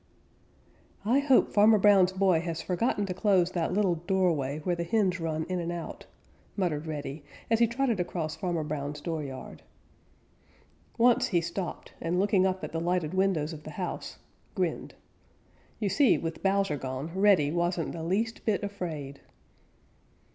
"I hope Farmer Brown's boy has forgotten to close that little doorway where the hens run in and out," muttered Reddy, as he trotted across Farmer Brown's dooryard. Once he stopped, and looking up at the lighted windows of the house, grinned. You see, with Bowser gone, Reddy wasn't the least bit afraid.